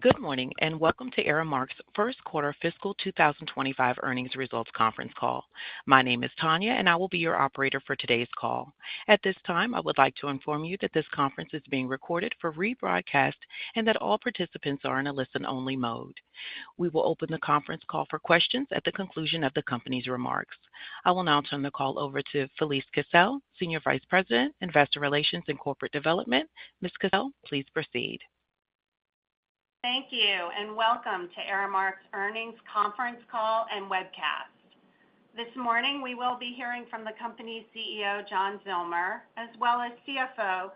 Good morning and welcome to Aramark's first quarter fiscal 2025 earnings results conference call. My name is Tanya, and I will be your operator for today's call. At this time, I would like to inform you that this conference is being recorded for rebroadcast and that all participants are in a listen-only mode. We will open the conference call for questions at the conclusion of the company's remarks. I will now turn the call over to Felise Kissell, Senior Vice President, Investor Relations and Corporate Development. Ms. Kissell, please proceed. Thank you and welcome to Aramark's earnings conference call and webcast. This morning, we will be hearing from the company's CEO, John Zillmer, as well as CFO,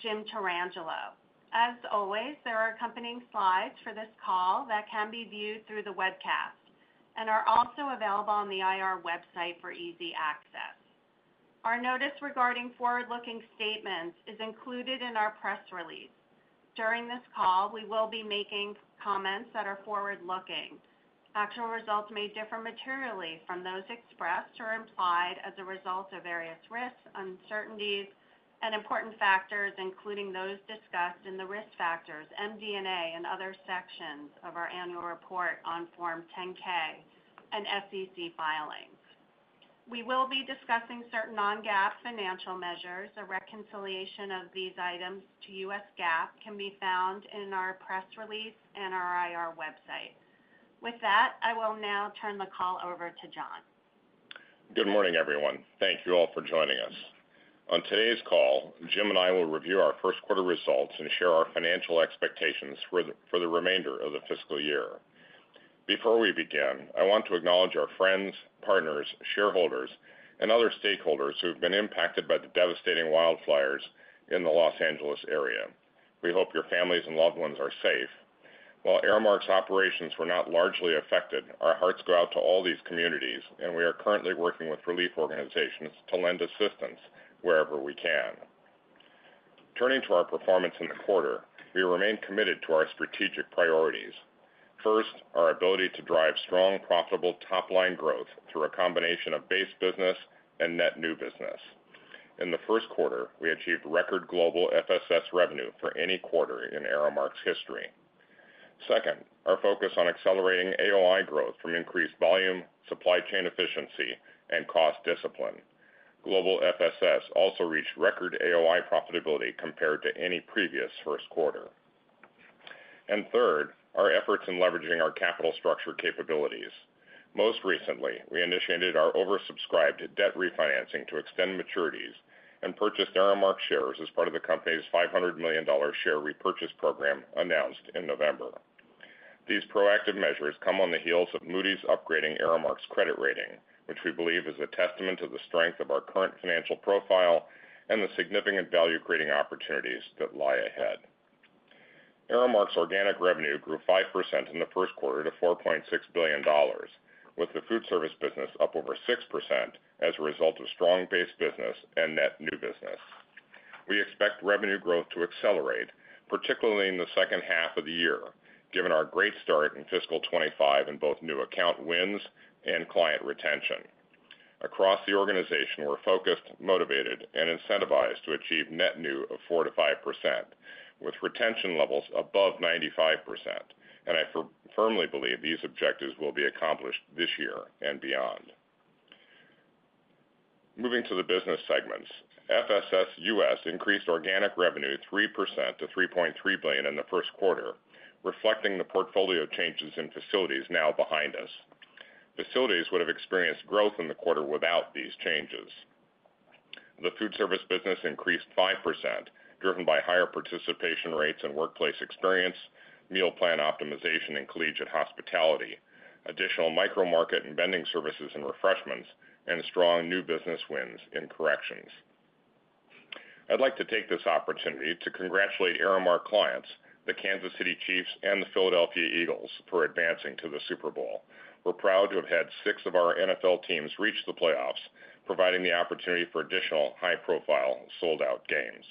Jim Tarangelo. As always, there are accompanying slides for this call that can be viewed through the webcast and are also available on the IR website for easy access. Our notice regarding forward-looking statements is included in our press release. During this call, we will be making comments that are forward-looking. Actual results may differ materially from those expressed or implied as a result of various risks, uncertainties, and important factors, including those discussed in the risk factors, MD&A, and other sections of our annual report on Form 10-K and SEC filings. We will be discussing certain non-GAAP financial measures. A reconciliation of these items to U.S. GAAP can be found in our press release and our IR website. With that, I will now turn the call over to John. Good morning, everyone. Thank you all for joining us. On today's call, Jim and I will review our first quarter results and share our financial expectations for the remainder of the fiscal year. Before we begin, I want to acknowledge our friends, partners, shareholders, and other stakeholders who have been impacted by the devastating wildfires in the Los Angeles area. We hope your families and loved ones are safe. While Aramark's operations were not largely affected, our hearts go out to all these communities, and we are currently working with relief organizations to lend assistance wherever we can. Turning to our performance in the quarter, we remain committed to our strategic priorities. First, our ability to drive strong, profitable top-line growth through a combination of base business and net new business. In the first quarter, we achieved record global FSS revenue for any quarter in Aramark's history. Second, our focus on accelerating AOI growth from increased volume, supply chain efficiency, and cost discipline. Global FSS also reached record AOI profitability compared to any previous first quarter. And third, our efforts in leveraging our capital structure capabilities. Most recently, we initiated our oversubscribed debt refinancing to extend maturities and purchased Aramark shares as part of the company's $500 million share repurchase program announced in November. These proactive measures come on the heels of Moody's upgrading Aramark's credit rating, which we believe is a testament to the strength of our current financial profile and the significant value-creating opportunities that lie ahead. Aramark's organic revenue grew 5% in the first quarter to $4.6 billion, with the food service business up over 6% as a result of strong base business and net new business. We expect revenue growth to accelerate, particularly in the second half of the year, given our great start in Fiscal 2025 in both new account wins and client retention. Across the organization, we're focused, motivated, and incentivized to achieve net new of 4%-5%, with retention levels above 95%, and I firmly believe these objectives will be accomplished this year and beyond. Moving to the business segments, FSS US increased organic revenue 3% to $3.3 billion in the first quarter, reflecting the portfolio changes in facilities now behind us. Facilities would have experienced growth in the quarter without these changes. The food service business increased 5%, driven by higher participation rates and workplace experience, meal plan optimization, and collegiate hospitality, additional micro-market and vending services and refreshments, and strong new business wins in corrections. I'd like to take this opportunity to congratulate Aramark clients, the Kansas City Chiefs, and the Philadelphia Eagles for advancing to the Super Bowl. We're proud to have had six of our NFL teams reach the playoffs, providing the opportunity for additional high-profile sold-out games.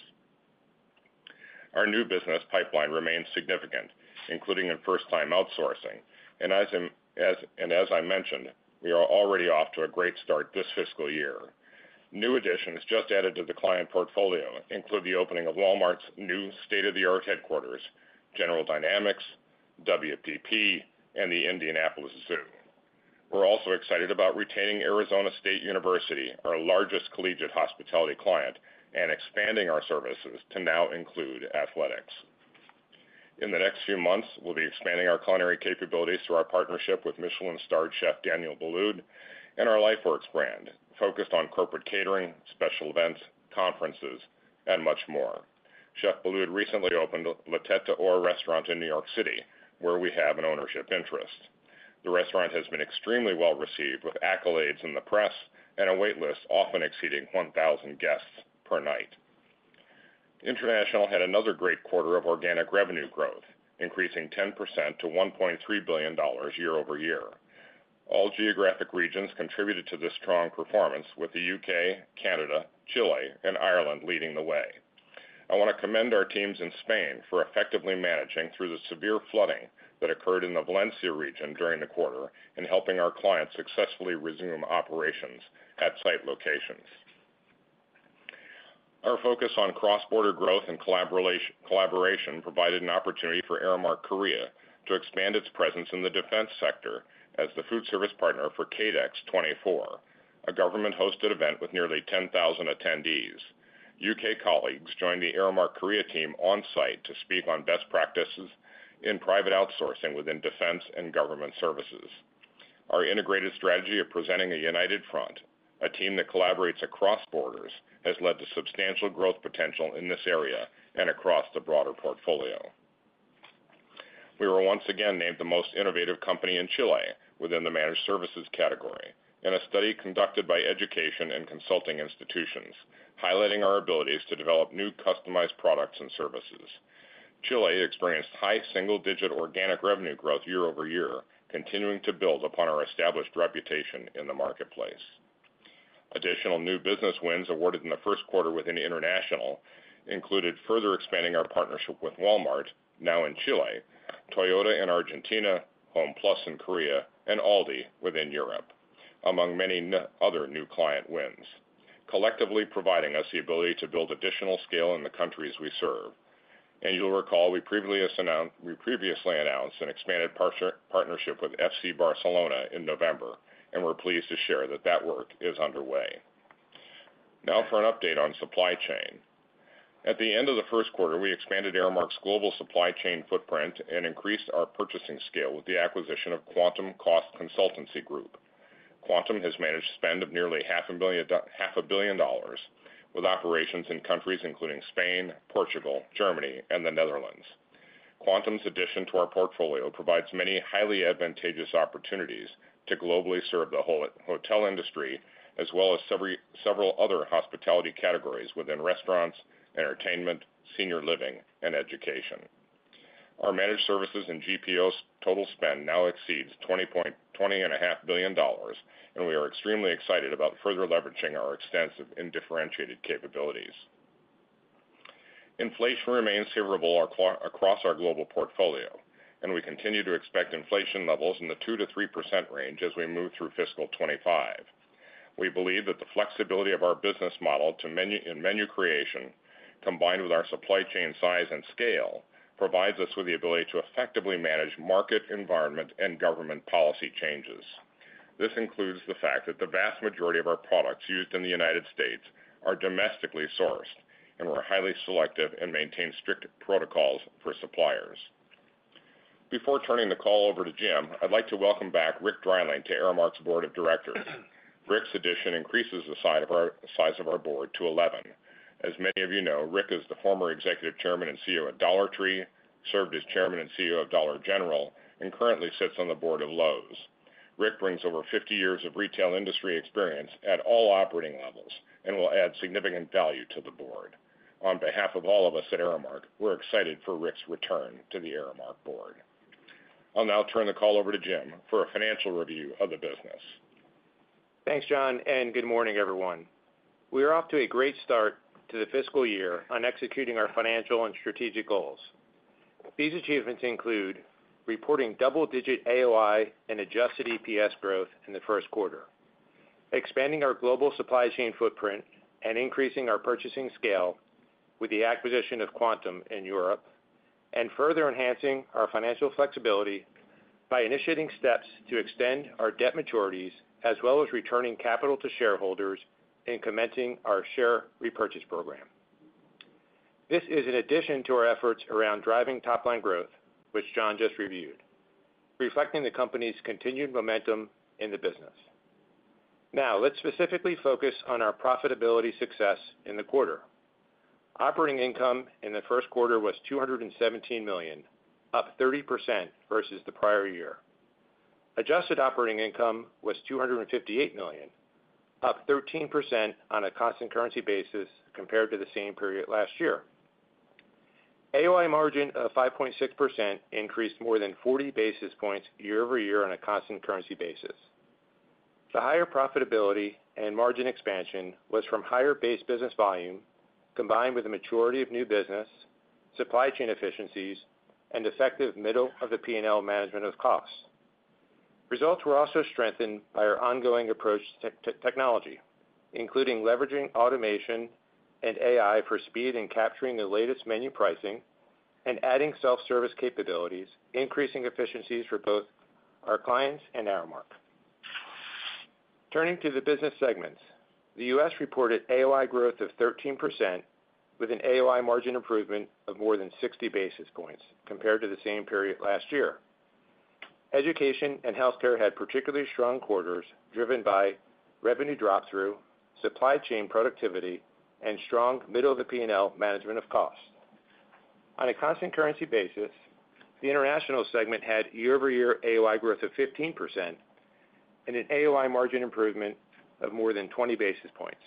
Our new business pipeline remains significant, including in first-time outsourcing, and as I mentioned, we are already off to a great start this fiscal year. New additions just added to the client portfolio include the opening of Walmart's new state-of-the-art headquarters, General Dynamics, WPP, and the Indianapolis Zoo. We're also excited about retaining Arizona State University, our largest collegiate hospitality client, and expanding our services to now include athletics. In the next few months, we'll be expanding our culinary capabilities through our partnership with Michelin-starred chef Daniel Boulud and our LifeWorks brand, focused on corporate catering, special events, conferences, and much more. Chef Boulud recently opened La Tête d'Or restaurant in New York City, where we have an ownership interest. The restaurant has been extremely well received with accolades in the press and a waitlist often exceeding 1,000 guests per night. International had another great quarter of organic revenue growth, increasing 10% to $1.3 billion year over year. All geographic regions contributed to this strong performance, with the U.K., Canada, Chile, and Ireland leading the way. I want to commend our teams in Spain for effectively managing through the severe flooding that occurred in the Valencia region during the quarter and helping our clients successfully resume operations at site locations. Our focus on cross-border growth and collaboration provided an opportunity for Aramark Korea to expand its presence in the defense sector as the food service partner for KADEX '24, a government-hosted event with nearly 10,000 attendees. UK colleagues joined the Aramark Korea team on site to speak on best practices in private outsourcing within defense and government services. Our integrated strategy of presenting a united front, a team that collaborates across borders, has led to substantial growth potential in this area and across the broader portfolio. We were once again named the most innovative company in Chile within the managed services category in a study conducted by education and consulting institutions, highlighting our abilities to develop new customized products and services. Chile experienced high single-digit organic revenue growth year over year, continuing to build upon our established reputation in the marketplace. Additional new business wins awarded in the first quarter within International included further expanding our partnership with Walmart, now in Chile, Toyota in Argentina, Homeplus in Korea, and Aldi within Europe, among many other new client wins, collectively providing us the ability to build additional scale in the countries we serve, and you'll recall we previously announced an expanded partnership with FC Barcelona in November, and we're pleased to share that that work is underway. Now for an update on supply chain. At the end of the first quarter, we expanded Aramark's global supply chain footprint and increased our purchasing scale with the acquisition of Quantum Cost Consultancy Group. Quantum has managed a spend of nearly $500 million with operations in countries including Spain, Portugal, Germany, and the Netherlands. Quantum's addition to our portfolio provides many highly advantageous opportunities to globally serve the hotel industry, as well as several other hospitality categories within restaurants, entertainment, senior living, and education. Our managed services and GPOs total spend now exceeds $20.25 billion, and we are extremely excited about further leveraging our extensive undifferentiated capabilities. Inflation remains favorable across our global portfolio, and we continue to expect inflation levels in the 2%-3% range as we move through fiscal 2025. We believe that the flexibility of our business model in menu creation, combined with our supply chain size and scale, provides us with the ability to effectively manage market, environment, and government policy changes. This includes the fact that the vast majority of our products used in the United States are domestically sourced, and we're highly selective and maintain strict protocols for suppliers. Before turning the call over to Jim, I'd like to welcome back Rick Dreiling to Aramark's board of directors. Rick's addition increases the size of our board to 11. As many of you know, Rick is the former executive chairman and CEO at Dollar Tree, served as chairman and CEO of Dollar General, and currently sits on the board of Lowe's. Rick brings over 50 years of retail industry experience at all operating levels and will add significant value to the board. On behalf of all of us at Aramark, we're excited for Rick's return to the Aramark board. I'll now turn the call over to Jim for a financial review of the business. Thanks, John, and good morning, everyone. We are off to a great start to the fiscal year on executing our financial and strategic goals. These achievements include reporting double-digit AOI and adjusted EPS growth in the first quarter, expanding our global supply chain footprint and increasing our purchasing scale with the acquisition of Quantum in Europe, and further enhancing our financial flexibility by initiating steps to extend our debt maturities, as well as returning capital to shareholders and commencing our share repurchase program. This is in addition to our efforts around driving top-line growth, which John just reviewed, reflecting the company's continued momentum in the business. Now, let's specifically focus on our profitability success in the quarter. Operating income in the first quarter was $217 million, up 30% versus the prior year. Adjusted operating income was $258 million, up 13% on a constant currency basis compared to the same period last year. AOI margin of 5.6% increased more than 40 basis points year over year on a constant currency basis. The higher profitability and margin expansion was from higher base business volume combined with the maturity of new business, supply chain efficiencies, and effective middle-of-the-P&L management of costs. Results were also strengthened by our ongoing approach to technology, including leveraging automation and AI for speed in capturing the latest menu pricing and adding self-service capabilities, increasing efficiencies for both our clients and Aramark. Turning to the business segments, the U.S. reported AOI growth of 13% with an AOI margin improvement of more than 60 basis points compared to the same period last year. Education and healthcare had particularly strong quarters driven by revenue drop-through, supply chain productivity, and strong middle-of-the-P&L management of cost. On a constant currency basis, the international segment had year-over-year AOI growth of 15% and an AOI margin improvement of more than 20 basis points.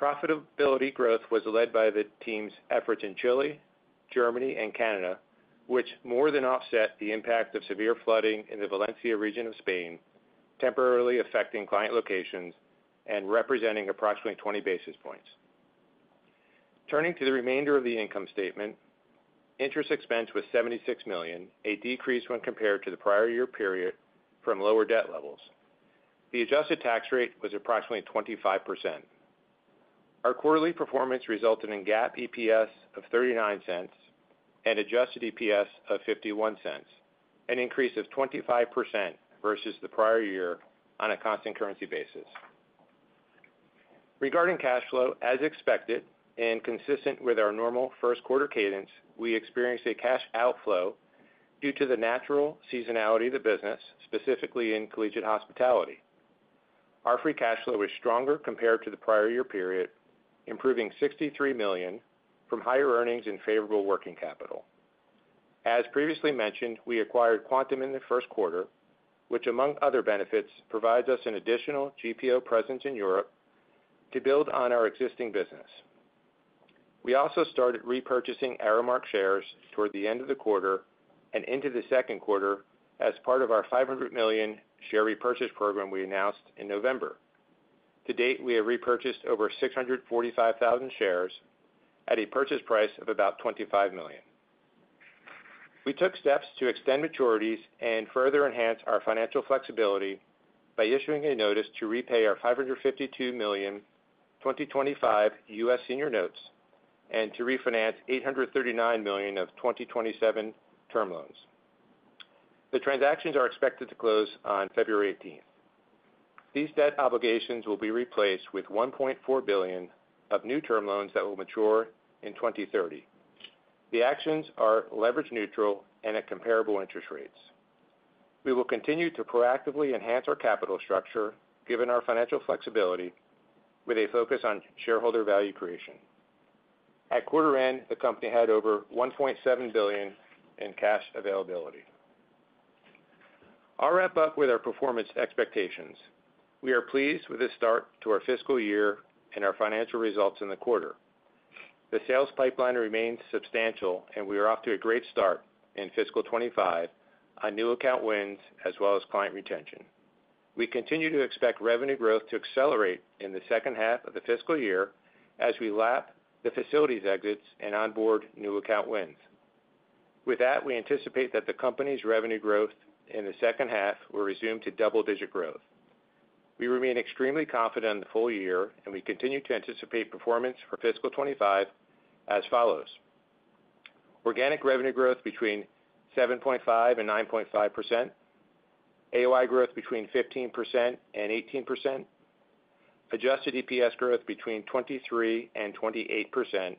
Profitability growth was led by the team's efforts in Chile, Germany, and Canada, which more than offset the impact of severe flooding in the Valencia region of Spain, temporarily affecting client locations and representing approximately 20 basis points. Turning to the remainder of the income statement, interest expense was $76 million, a decrease when compared to the prior year period from lower debt levels. The adjusted tax rate was approximately 25%. Our quarterly performance resulted in GAAP EPS of $0.39 and adjusted EPS of $0.51, an increase of 25% versus the prior year on a constant currency basis. Regarding cash flow, as expected and consistent with our normal first-quarter cadence, we experienced a cash outflow due to the natural seasonality of the business, specifically in collegiate hospitality. Our free cash flow was stronger compared to the prior year period, improving $63 million from higher earnings and favorable working capital. As previously mentioned, we acquired Quantum in the first quarter, which, among other benefits, provides us an additional GPO presence in Europe to build on our existing business. We also started repurchasing Aramark shares toward the end of the quarter and into the second quarter as part of our $500 million share repurchase program we announced in November. To date, we have repurchased over 645,000 shares at a purchase price of about $25 million. We took steps to extend maturities and further enhance our financial flexibility by issuing a notice to repay our $552 million 2025 U.S. senior notes and to refinance $839 million of 2027 term loans. The transactions are expected to close on February 18th. These debt obligations will be replaced with $1.4 billion of new term loans that will mature in 2030. The actions are leverage neutral and at comparable interest rates. We will continue to proactively enhance our capital structure given our financial flexibility with a focus on shareholder value creation. At quarter end, the company had over $1.7 billion in cash availability. I'll wrap up with our performance expectations. We are pleased with this start to our fiscal year and our financial results in the quarter. The sales pipeline remains substantial, and we are off to a great start in fiscal 2025 on new account wins as well as client retention. We continue to expect revenue growth to accelerate in the second half of the fiscal year as we lap the facilities exits and onboard new account wins. With that, we anticipate that the company's revenue growth in the second half will resume to double-digit growth. We remain extremely confident in the full year, and we continue to anticipate performance for fiscal 2025 as follows: organic revenue growth between 7.5% and 9.5%, AOI growth between 15% and 18%, adjusted EPS growth between 23% and 28%,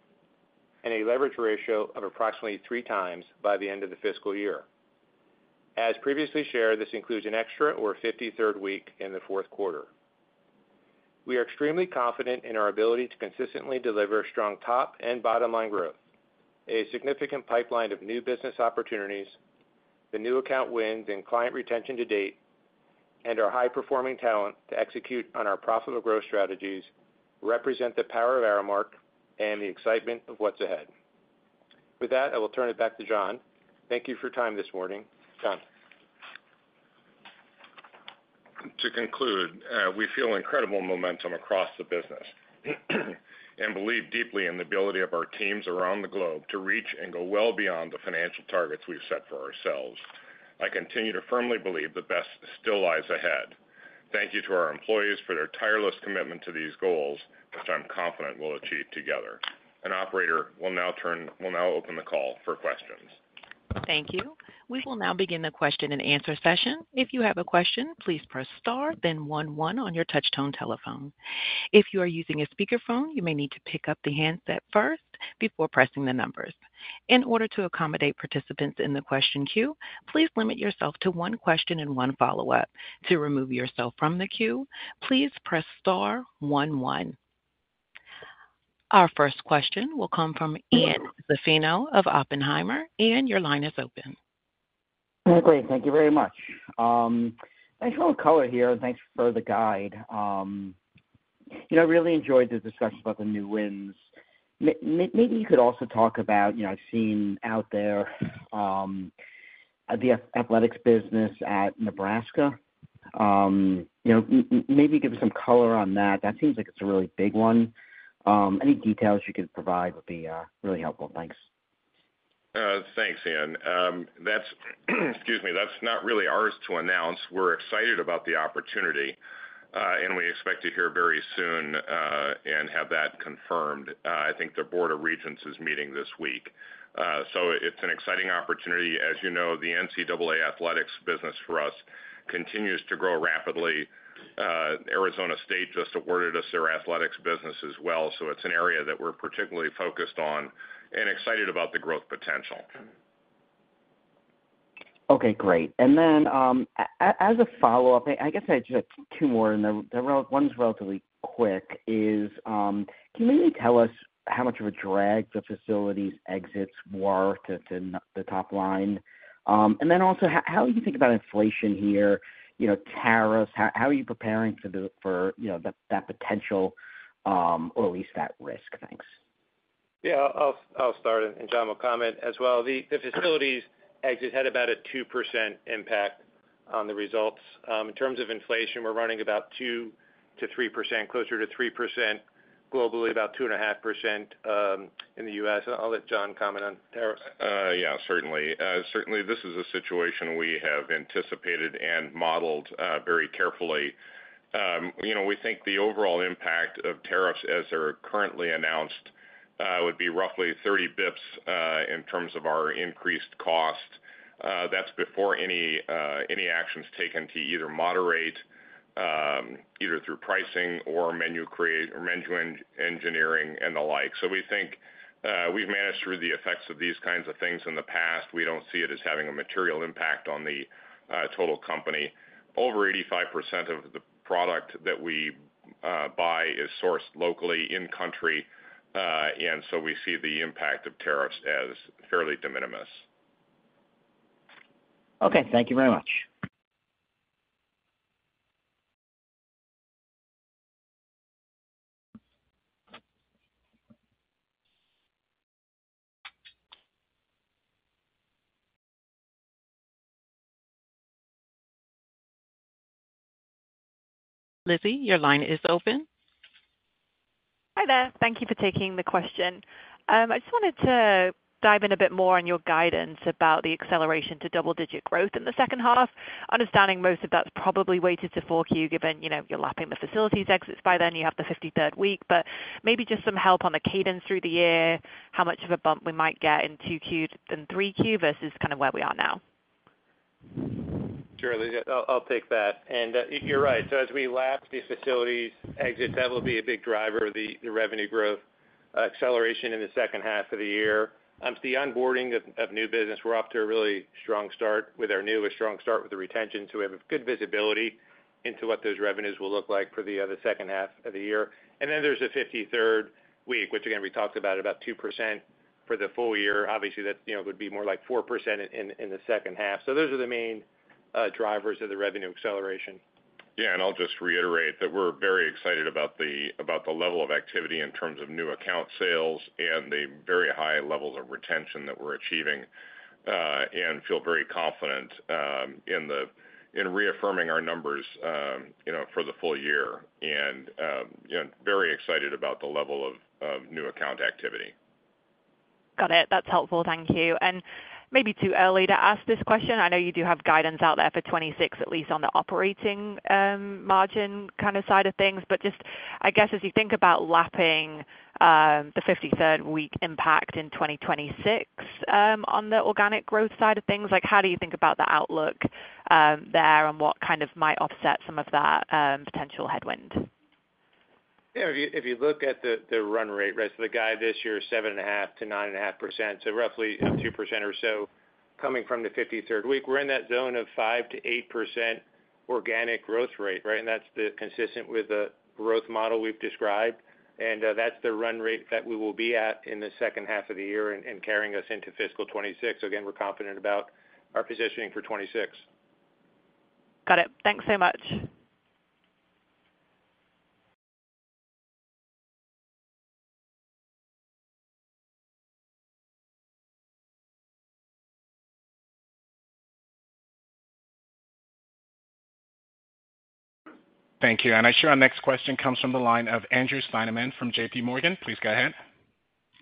and a leverage ratio of approximately three times by the end of the fiscal year. As previously shared, this includes an extra or 53rd week in the fourth quarter. We are extremely confident in our ability to consistently deliver strong top and bottom-line growth, a significant pipeline of new business opportunities, the new account wins and client retention to date, and our high-performing talent to execute on our profitable growth strategies represent the power of Aramark and the excitement of what's ahead. With that, I will turn it back to John. Thank you for your time this morning. John. To conclude, we feel incredible momentum across the business and believe deeply in the ability of our teams around the globe to reach and go well beyond the financial targets we've set for ourselves. I continue to firmly believe the best still lies ahead. Thank you to our employees for their tireless commitment to these goals, which I'm confident we'll achieve together. An operator will now open the call for questions. Thank you. We will now begin the question and answer session. If you have a question, please press star, then 1 1 on your touch-tone telephone. If you are using a speakerphone, you may need to pick up the handset first before pressing the numbers. In order to accommodate participants in the question queue, please limit yourself to one question and one follow-up. To remove yourself from the queue, please press star, 1 1. Our first question will come from Ian Zaffino of Oppenheimer. Ian, your line is open. Great. Thank you very much. Thanks for the color here, and thanks for the guide. I really enjoyed the discussion about the new wins. Maybe you could also talk about, I've seen out there, the athletics business at Nebraska. Maybe give us some color on that. That seems like it's a really big one. Any details you could provide would be really helpful. Thanks. Thanks, Ian. Excuse me, that's not really ours to announce. We're excited about the opportunity, and we expect to hear very soon and have that confirmed. I think the Board of Regents is meeting this week, so it's an exciting opportunity. As you know, the NCAA athletics business for us continues to grow rapidly. Arizona State just awarded us their athletics business as well, so it's an area that we're particularly focused on and excited about the growth potential. Okay. Great. And then as a follow-up, I guess I had just two more, and one's relatively quick. Can you maybe tell us how much of a drag the facilities exits were to the top line? And then also, how do you think about inflation here, tariffs? How are you preparing for that potential or at least that risk? Thanks. Yeah. I'll start, and John will comment as well. The facilities exits had about a 2% impact on the results. In terms of inflation, we're running about 2%-3%, closer to 3% globally, about 2.5% in the U.S. I'll let John comment on tariffs. Yeah. Certainly. Certainly, this is a situation we have anticipated and modeled very carefully. We think the overall impact of tariffs as they're currently announced would be roughly 30 basis points in terms of our increased cost. That's before any actions taken to either moderate, either through pricing or menu engineering and the like. So we think we've managed through the effects of these kinds of things in the past. We don't see it as having a material impact on the total company. Over 85% of the product that we buy is sourced locally in country, and so we see the impact of tariffs as fairly de minimis. Okay. Thank you very much. Lizzie, your line is open. Hi there. Thank you for taking the question. I just wanted to dive in a bit more on your guidance about the acceleration to double-digit growth in the second half. Understanding most of that's probably weighted to 4Q, given you're lapping the facilities exits by then, you have the 53rd Week. But maybe just some help on the cadence through the year, how much of a bump we might get in 2Q then 3Q versus kind of where we are now? Sure. I'll take that. And you're right. So as we lap these facilities exits, that will be a big driver of the revenue growth acceleration in the second half of the year. The onboarding of new business, we're off to a really strong start with the retention. So we have good visibility into what those revenues will look like for the second half of the year. And then there's a 53rd week, which, again, we talked about, about 2% for the full year. Obviously, that would be more like 4% in the second half. So those are the main drivers of the revenue acceleration. Yeah, and I'll just reiterate that we're very excited about the level of activity in terms of new account sales and the very high levels of retention that we're achieving and feel very confident in reaffirming our numbers for the full year and very excited about the level of new account activity. Got it. That's helpful. Thank you. And maybe too early to ask this question. I know you do have guidance out there for 2026, at least on the operating margin kind of side of things. But just, I guess, as you think about lapping the 53rd week impact in 2026 on the organic growth side of things, how do you think about the outlook there and what kind of might offset some of that potential headwind? Yeah. If you look at the run rate, right, so the guide this year is 7.5-9.5%, so roughly 2% or so coming from the 53rd week. We're in that zone of 5-8% organic growth rate, right? And that's consistent with the growth model we've described. And that's the run rate that we will be at in the second half of the year and carrying us into fiscal 2026. So again, we're confident about our positioning for 2026. Got it. Thanks so much. Thank you. And I'm sure our next question comes from the line of Andrew Steinerman from JPMorgan. Please go ahead.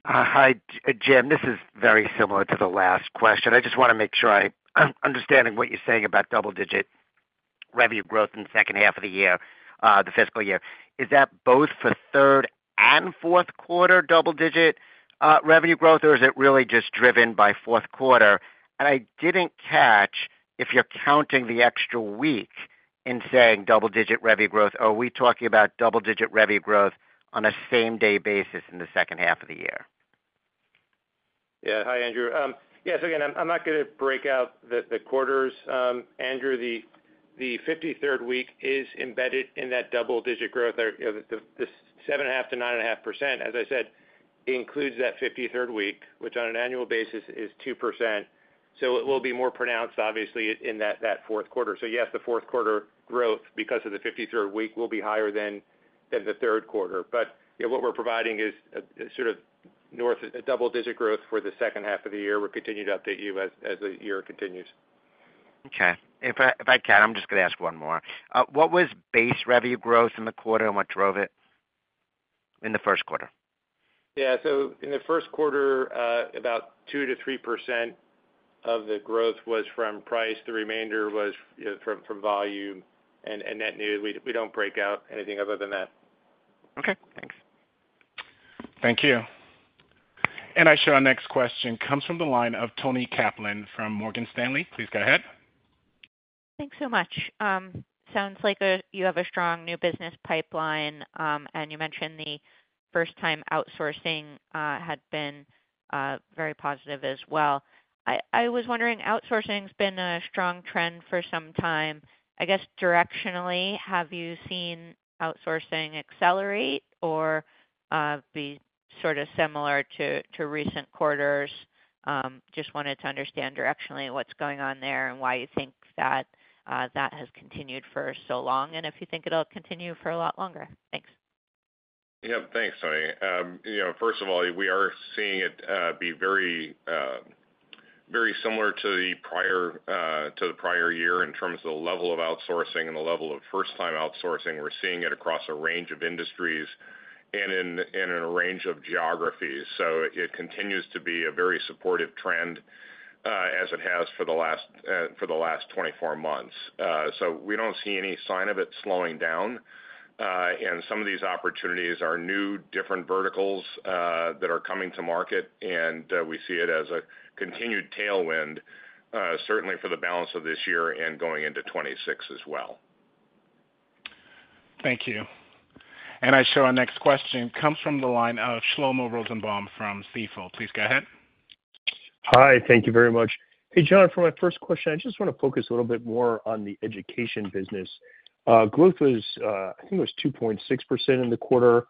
Hi, Jim. This is very similar to the last question. I just want to make sure I'm understanding what you're saying about double-digit revenue growth in the second half of the year, the fiscal year. Is that both for third and fourth quarter double-digit revenue growth, or is it really just driven by fourth quarter? And I didn't catch if you're counting the extra week in saying double-digit revenue growth. Are we talking about double-digit revenue growth on a same-day basis in the second half of the year? Yeah. Hi, Andrew. Yeah. So again, I'm not going to break out the quarters. Andrew, the 53rd week is embedded in that double-digit growth. The 7.5%-9.5%, as I said, includes that 53rd week, which on an annual basis is 2%. So it will be more pronounced, obviously, in that fourth quarter. So yes, the fourth quarter growth because of the 53rd week will be higher than the third quarter. But what we're providing is sort of double-digit growth for the second half of the year. We'll continue to update you as the year continues. Okay. If I can, I'm just going to ask one more. What was base revenue growth in the quarter and what drove it in the first quarter? Yeah. So in the first quarter, about 2%-3% of the growth was from price. The remainder was from volume. And we don't break out anything other than that. Okay. Thanks. Thank you. And I show our next question comes from the line of Tony Kaplan from Morgan Stanley. Please go ahead. Thanks so much. Sounds like you have a strong new business pipeline, and you mentioned the first-time outsourcing had been very positive as well. I was wondering, outsourcing's been a strong trend for some time. I guess, directionally, have you seen outsourcing accelerate or be sort of similar to recent quarters? Just wanted to understand directionally what's going on there and why you think that that has continued for so long and if you think it'll continue for a lot longer. Thanks. Yeah. Thanks, Tony. First of all, we are seeing it be very similar to the prior year in terms of the level of outsourcing and the level of first-time outsourcing. We're seeing it across a range of industries and in a range of geographies. So it continues to be a very supportive trend as it has for the last 24 months. So we don't see any sign of it slowing down. And some of these opportunities are new, different verticals that are coming to market, and we see it as a continued tailwind, certainly for the balance of this year and going into 2026 as well. Thank you, and I show our next question comes from the line of Shlomo Rosenbaum from Stifel. Please go ahead. Hi. Thank you very much. Hey, John, for my first question, I just want to focus a little bit more on the education business. Growth was, I think it was 2.6% in the quarter.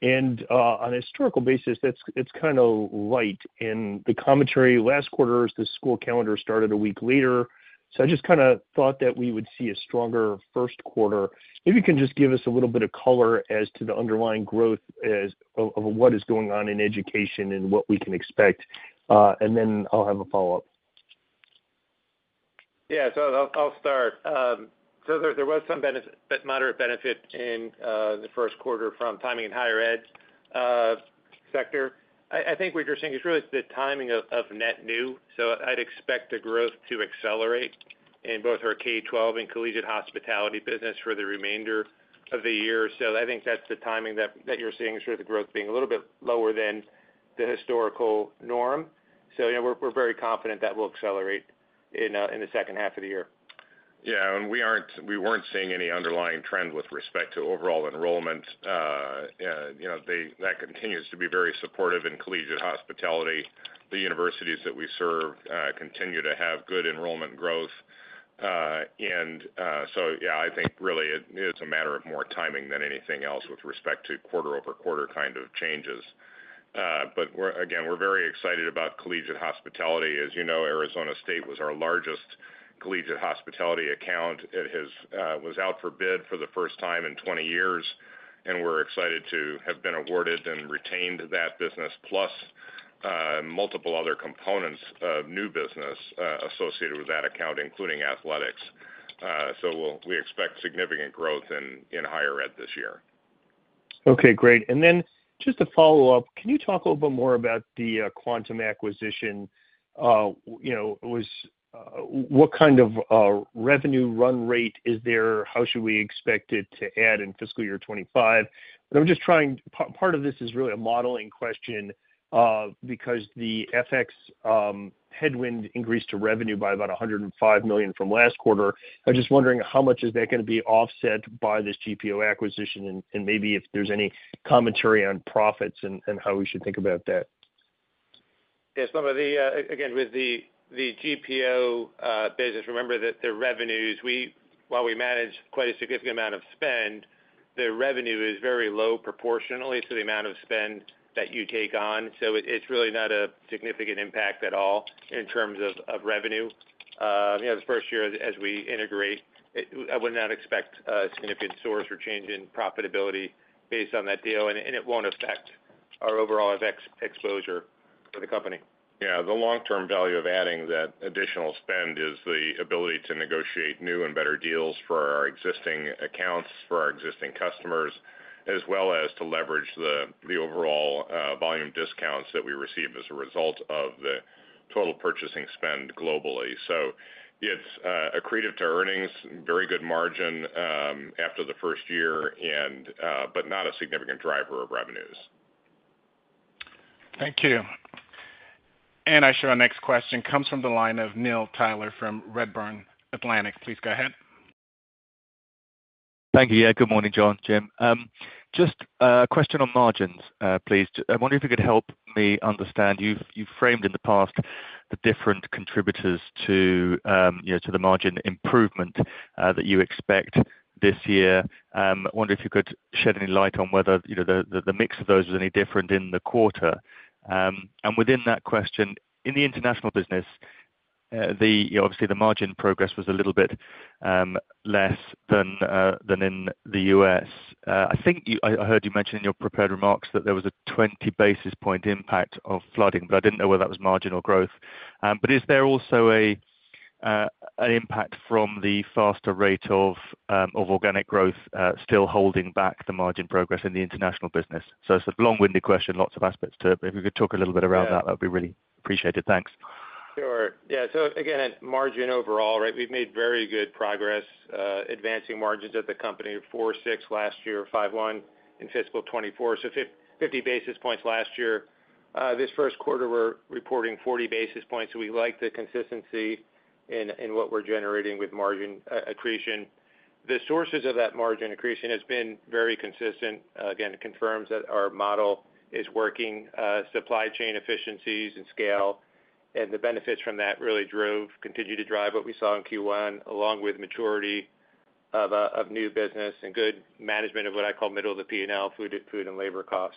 And on a historical basis, it's kind of light. And the commentary, last quarter, the school calendar started a week later. So I just kind of thought that we would see a stronger first quarter. If you can just give us a little bit of color as to the underlying growth of what is going on in education and what we can expect. And then I'll have a follow-up. Yeah. So I'll start. So there was some moderate benefit in the first quarter from timing in higher ed sector. I think what you're seeing is really the timing of net new. So I'd expect the growth to accelerate in both our K-12 and collegiate hospitality business for the remainder of the year. So I think that's the timing that you're seeing is for the growth being a little bit lower than the historical norm. So we're very confident that will accelerate in the second half of the year. Yeah. And we weren't seeing any underlying trend with respect to overall enrollment. That continues to be very supportive in collegiate hospitality. The universities that we serve continue to have good enrollment growth. And so, yeah, I think really it's a matter of more timing than anything else with respect to quarter-over-quarter kind of changes. But again, we're very excited about collegiate hospitality. As you know, Arizona State was our largest collegiate hospitality account. It was out for bid for the first time in 20 years, and we're excited to have been awarded and retained that business, plus multiple other components of new business associated with that account, including athletics. So we expect significant growth in higher ed this year. Okay. Great. And then just to follow up, can you talk a little bit more about the Quantum acquisition? What kind of revenue run rate is there? How should we expect it to add in fiscal year 2025? And I'm just trying, part of this is really a modeling question because the FX headwind increased to revenue by about $105 million from last quarter. I'm just wondering how much is that going to be offset by this GPO acquisition, and maybe if there's any commentary on profits and how we should think about that. Yeah. Again, with the GPO business, remember that the revenues, while we manage quite a significant amount of spend, the revenue is very low proportionally to the amount of spend that you take on. So it's really not a significant impact at all in terms of revenue. The first year, as we integrate, I would not expect a significant source or change in profitability based on that deal, and it won't affect our overall exposure for the company. Yeah. The long-term value of adding that additional spend is the ability to negotiate new and better deals for our existing accounts, for our existing customers, as well as to leverage the overall volume discounts that we receive as a result of the total purchasing spend globally. So it's accretive to earnings, very good margin after the first year, but not a significant driver of revenues. Thank you. And I show our next question comes from the line of Neil Tyler from Redburn Atlantic. Please go ahead. Thank you. Yeah. Good morning, John, Jim. Just a question on margins, please. I wonder if you could help me understand. You've framed in the past the different contributors to the margin improvement that you expect this year. I wonder if you could shed any light on whether the mix of those was any different in the quarter. And within that question, in the international business, obviously, the margin progress was a little bit less than in the U.S. I think I heard you mention in your prepared remarks that there was a 20 basis point impact of flooding, but I didn't know whether that was margin or growth. But is there also an impact from the faster rate of organic growth still holding back the margin progress in the international business? So it's a long-winded question, lots of aspects to it. But if you could talk a little bit around that, that would be really appreciated. Thanks. Sure. Yeah. So again, margin overall, right? We've made very good progress advancing margins at the company to 4.6 last year, 5.1 in Fiscal 2024. So 50 basis points last year. This first quarter, we're reporting 40 basis points. So we like the consistency in what we're generating with margin accretion. The sources of that margin accretion have been very consistent. Again, it confirms that our model is working. Supply chain efficiencies and scale and the benefits from that really continued to drive what we saw in Q1, along with maturity of new business and good management of what I call middle of the P&L, food and labor costs.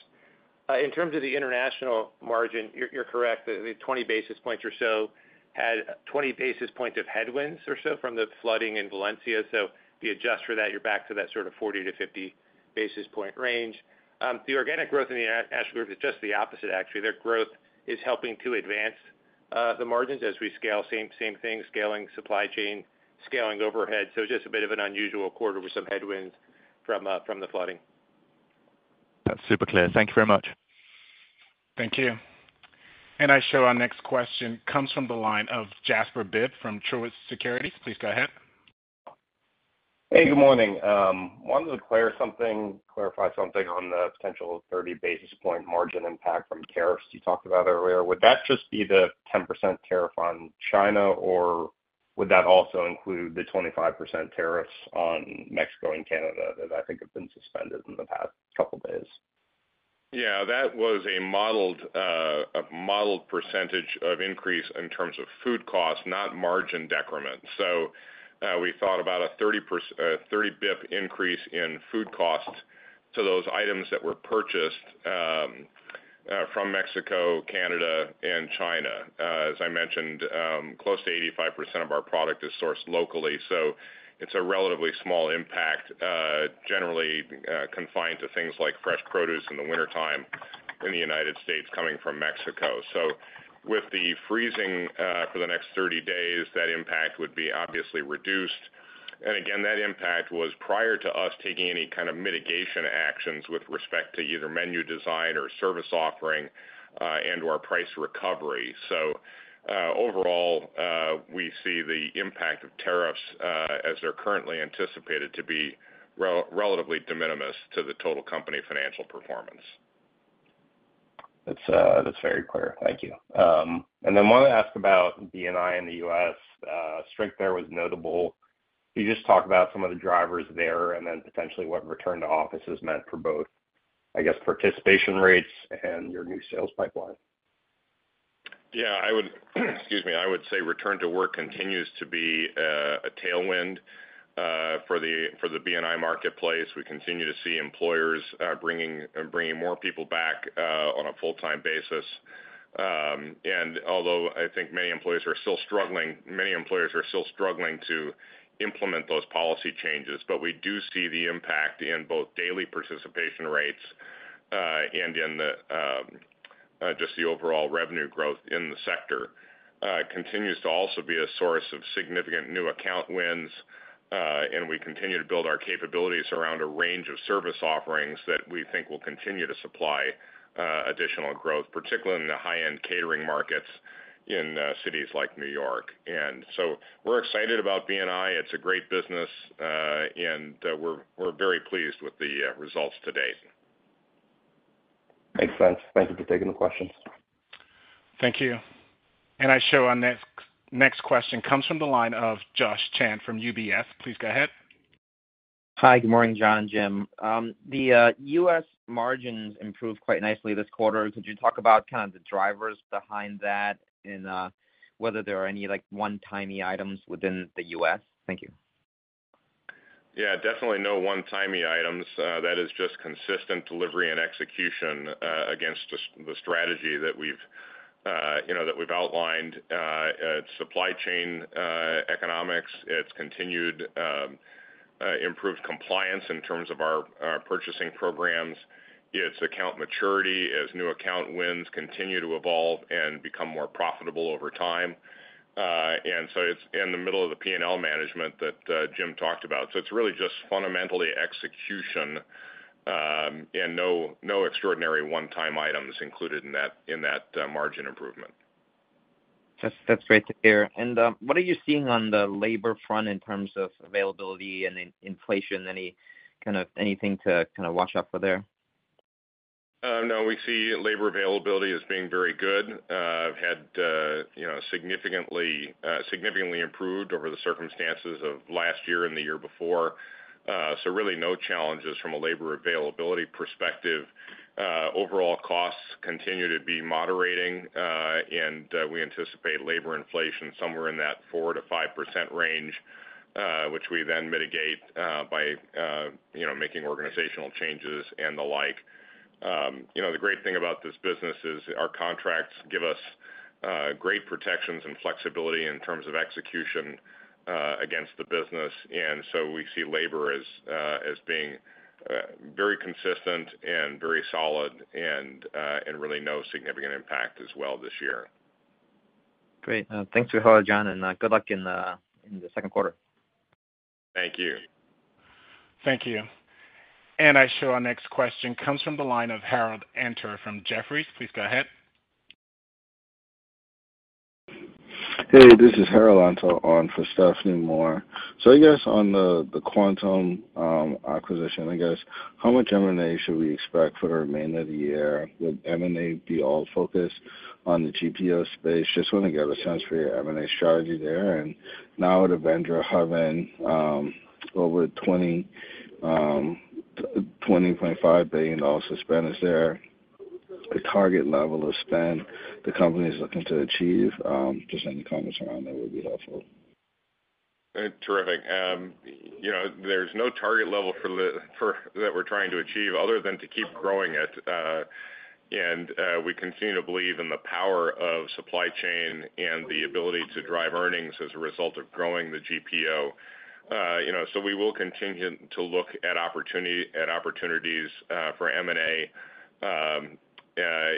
In terms of the international margin, you're correct. The 20 basis points or so had 20 basis points of headwinds or so from the flooding in Valencia. So if you adjust for that, you're back to that sort of 40-50 basis point range. The organic growth in the international group is just the opposite, actually. Their growth is helping to advance the margins as we scale. Same thing, scaling supply chain, scaling overhead. So just a bit of an unusual quarter with some headwinds from the flooding. That's super clear. Thank you very much. Thank you. And now our next question comes from the line of Jasper Bibb from Truist Securities. Please go ahead. Hey, good morning. Wanted to clarify something on the potential 30 basis point margin impact from tariffs you talked about earlier. Would that just be the 10% tariff on China, or would that also include the 25% tariffs on Mexico and Canada that I think have been suspended in the past couple of days? Yeah. That was a modeled percentage of increase in terms of food cost, not margin decrement. So we thought about a 30 basis point increase in food costs to those items that were purchased from Mexico, Canada, and China. As I mentioned, close to 85% of our product is sourced locally. So it's a relatively small impact, generally confined to things like fresh produce in the wintertime in the United States coming from Mexico. So with the freezing for the next 30 days, that impact would be obviously reduced. And again, that impact was prior to us taking any kind of mitigation actions with respect to either menu design or service offering and/or price recovery. So overall, we see the impact of tariffs as they're currently anticipated to be relatively de minimis to the total company financial performance. That's very clear. Thank you. And then I want to ask about B&I in the U.S. Strength there was notable. Can you just talk about some of the drivers there and then potentially what return to offices meant for both, I guess, participation rates and your new sales pipeline? Yeah. Excuse me. I would say return to work continues to be a tailwind for the B&I marketplace. We continue to see employers bringing more people back on a full-time basis, and although I think many employees are still struggling, many employers are still struggling to implement those policy changes, but we do see the impact in both daily participation rates and in just the overall revenue growth in the sector. It continues to also be a source of significant new account wins, and we continue to build our capabilities around a range of service offerings that we think will continue to supply additional growth, particularly in the high-end catering markets in cities like New York, and so we're excited about B&I. It's a great business, and we're very pleased with the results to date. Makes sense. Thank you for taking the questions. Thank you. And our next question comes from the line of Josh Chan from UBS. Please go ahead. Hi. Good morning, John, Jim. The U.S. margins improved quite nicely this quarter. Could you talk about kind of the drivers behind that and whether there are any one-timey items within the U.S.? Thank you. Yeah. Definitely no one-timey items. That is just consistent delivery and execution against the strategy that we've outlined. It's supply chain economics. It's continued improved compliance in terms of our purchasing programs. It's account maturity as new account wins continue to evolve and become more profitable over time. And so it's in the middle of the P&L management that Jim talked about. So it's really just fundamentally execution and no extraordinary one-time items included in that margin improvement. That's great to hear. And what are you seeing on the labor front in terms of availability and inflation? Any kind of anything to kind of watch out for there? No. We see labor availability as being very good. It had significantly improved over the circumstances of last year and the year before. So really no challenges from a labor availability perspective. Overall costs continue to be moderating, and we anticipate labor inflation somewhere in that 4%-5% range, which we then mitigate by making organizational changes and the like. The great thing about this business is our contracts give us great protections and flexibility in terms of execution against the business. And so we see labor as being very consistent and very solid and really no significant impact as well this year. Great. Thanks for your holiday, John, and good luck in the second quarter. Thank you. Thank you. Our next question comes from the line of Harold Antor from Jefferies. Please go ahead. Hey, this is Harold Antor on for Stephanie Moore. So I guess on the Quantum acquisition, I guess, how much M&A should we expect for the remainder of the year? Would M&A be all focused on the GPO space? Just want to get a sense for your M&A strategy there. And now with Avendra having over $20.5 billion to spend, is there a target level of spend the company is looking to achieve? Just any comments around that would be helpful. Terrific. There's no target level that we're trying to achieve other than to keep growing it. And we continue to believe in the power of supply chain and the ability to drive earnings as a result of growing the GPO. So we will continue to look at opportunities for M&A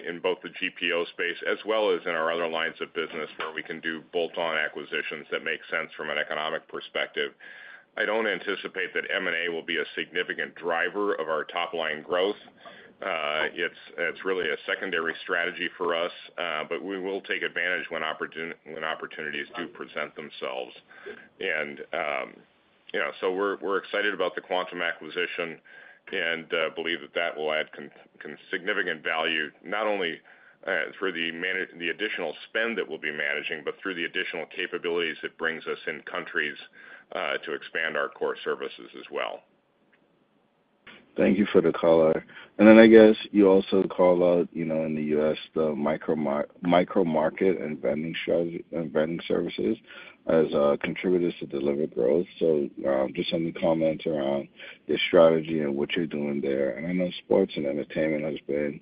in both the GPO space as well as in our other lines of business where we can do bolt-on acquisitions that make sense from an economic perspective. I don't anticipate that M&A will be a significant driver of our top-line growth. It's really a secondary strategy for us, but we will take advantage when opportunities do present themselves. And so we're excited about the Quantum acquisition and believe that that will add significant value not only through the additional spend that we'll be managing, but through the additional capabilities it brings us in countries to expand our core services as well. Thank you for the call. And then I guess you also call out in the U.S. the micro-market and vending services as contributors to deliver growth. So just any comments around your strategy and what you're doing there? And I know sports and entertainment has been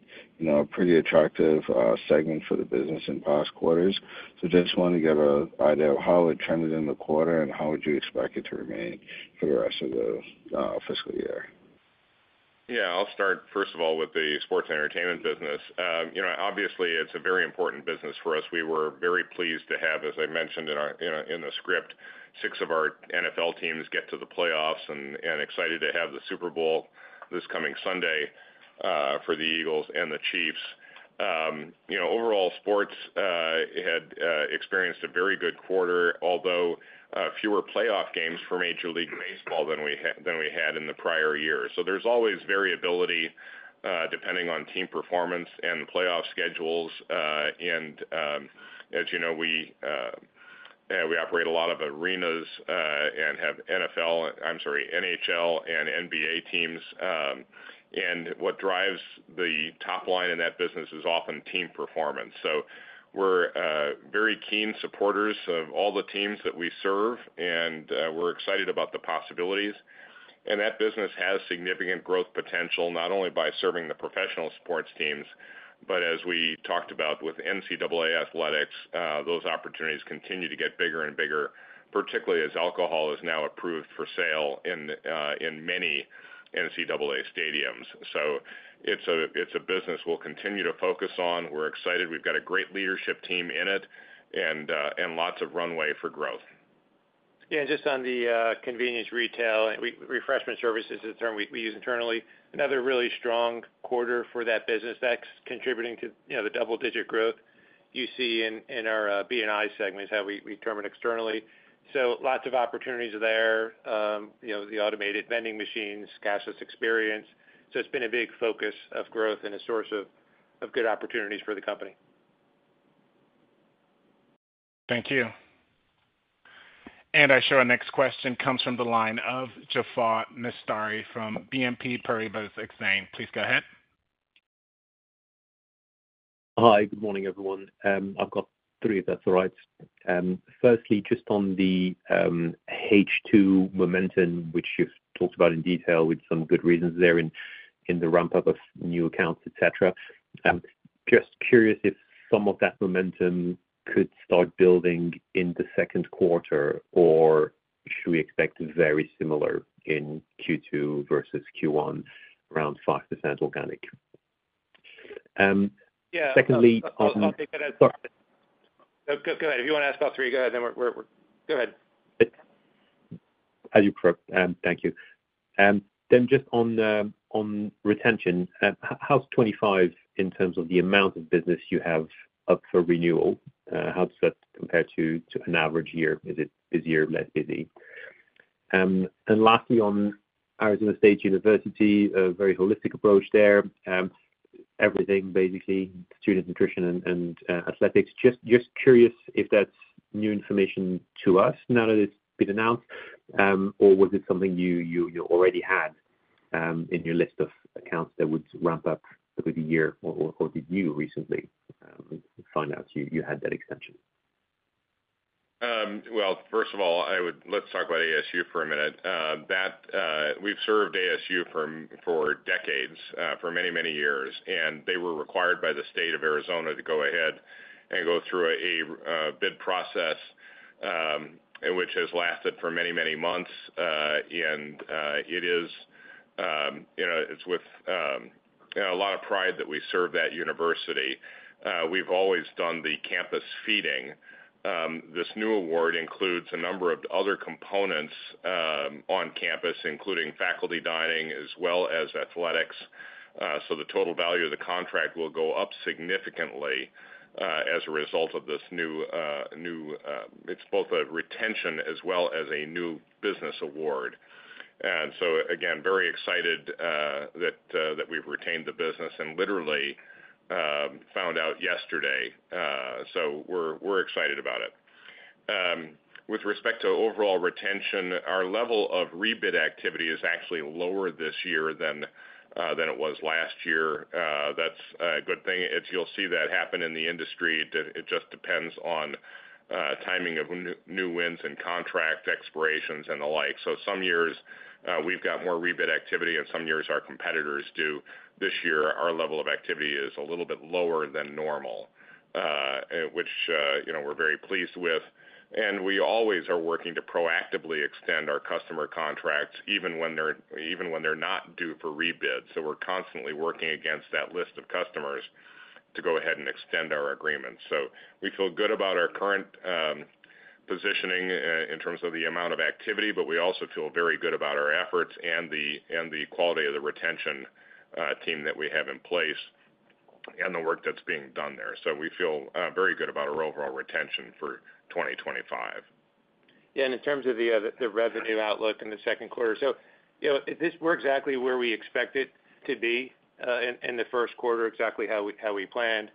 a pretty attractive segment for the business in past quarters. So just want to get an idea of how it trended in the quarter and how would you expect it to remain for the rest of the fiscal year? Yeah. I'll start first of all with the sports and entertainment business. Obviously, it's a very important business for us. We were very pleased to have, as I mentioned in the script, six of our NFL teams get to the playoffs and excited to have the Super Bowl this coming Sunday for the Eagles and the Chiefs. Overall, sports had experienced a very good quarter, although fewer playoff games for Major League Baseball than we had in the prior year. So there's always variability depending on team performance and playoff schedules. And as you know, we operate a lot of arenas and have NFL, I'm sorry, NHL and NBA teams. And what drives the top line in that business is often team performance. So we're very keen supporters of all the teams that we serve, and we're excited about the possibilities. That business has significant growth potential not only by serving the professional sports teams, but as we talked about with NCAA Athletics, those opportunities continue to get bigger and bigger, particularly as alcohol is now approved for sale in many NCAA stadiums. So it's a business we'll continue to focus on. We're excited. We've got a great leadership team in it and lots of runway for growth. Yeah. Just on the convenience retail, refreshment services is the term we use internally. Another really strong quarter for that business. That's contributing to the double-digit growth you see in our BNI segments, how we term it externally so lots of opportunities there. The automated vending machines, cashless experience so it's been a big focus of growth and a source of good opportunities for the company. Thank you, and I show our next question comes from the line of Jaafar Mestari from BNP Paribas Exane. Please go ahead. Hi. Good morning, everyone. I've got three, if that's all right. Firstly, just on the H2 momentum, which you've talked about in detail with some good reasons there in the ramp-up of new accounts, etc. Just curious if some of that momentum could start building in the second quarter, or should we expect very similar in Q2 versus Q1, around 5% organic? Yeah. Go ahead. If you want to ask about three, go ahead. Go ahead. As you prefer. Thank you. Then just on retention, how's 2025 in terms of the amount of business you have up for renewal? How does that compare to an average year? Is it busier or less busy? And lastly, on Arizona State University, a very holistic approach there. Everything, basically, student nutrition and athletics. Just curious if that's new information to us now that it's been announced, or was it something you already had in your list of accounts that would ramp up over the year, or did you recently find out you had that extension? Well, first of all, let's talk about ASU for a minute. We've served ASU for decades, for many, many years, and they were required by the state of Arizona to go ahead and go through a bid process which has lasted for many, many months. And it is with a lot of pride that we serve that university. We've always done the campus feeding. This new award includes a number of other components on campus, including faculty dining as well as athletics. So the total value of the contract will go up significantly as a result of this new, it's both a retention as well as a new business award. And so, again, very excited that we've retained the business and literally found out yesterday. So we're excited about it. With respect to overall retention, our level of rebid activity is actually lower this year than it was last year. That's a good thing. You'll see that happen in the industry. It just depends on timing of new wins and contract expirations and the like, so some years we've got more rebid activity, and some years our competitors do. This year, our level of activity is a little bit lower than normal, which we're very pleased with, and we always are working to proactively extend our customer contracts even when they're not due for rebids, so we're constantly working against that list of customers to go ahead and extend our agreements, so we feel good about our current positioning in terms of the amount of activity, but we also feel very good about our efforts and the quality of the retention team that we have in place and the work that's being done there, so we feel very good about our overall retention for 2025. Yeah. And in terms of the revenue outlook in the second quarter, so this was exactly where we expected to be in the first quarter, exactly how we planned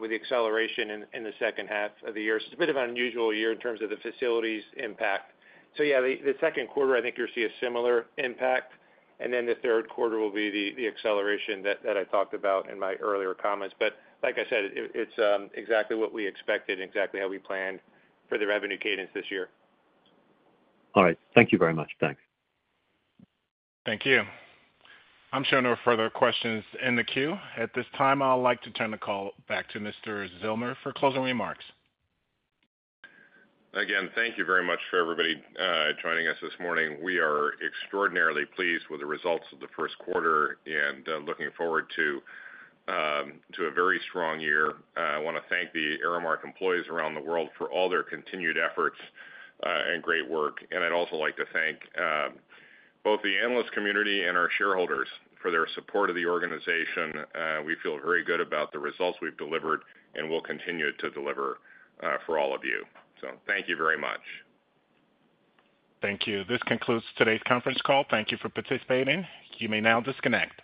with the acceleration in the second half of the year. It's a bit of an unusual year in terms of the facilities' impact. So yeah, the second quarter, I think you'll see a similar impact. And then the third quarter will be the acceleration that I talked about in my earlier comments. But like I said, it's exactly what we expected and exactly how we planned for the revenue cadence this year. All right. Thank you very much. Thanks. Thank you. I'm showing no further questions in the queue. At this time, I'd like to turn the call back to Mr. Zillmer for closing remarks. Again, thank you very much for everybody joining us this morning. We are extraordinarily pleased with the results of the first quarter and looking forward to a very strong year. I want to thank the Aramark employees around the world for all their continued efforts and great work. And I'd also like to thank both the analyst community and our shareholders for their support of the organization. We feel very good about the results we've delivered and will continue to deliver for all of you. So thank you very much. Thank you. This concludes today's conference call. Thank you for participating. You may now disconnect.